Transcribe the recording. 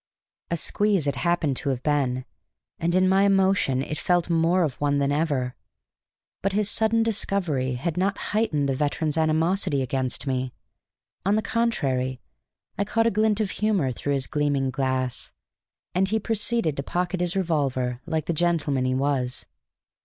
A squeeze it happened to have been, and in my emotion it felt more of one than ever; but his sudden discovery had not heightened the veteran's animosity against me. On the contrary, I caught a glint of humor through his gleaming glass, and he proceeded to pocket his revolver like the gentleman he was.